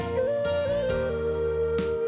บ๊ายบาย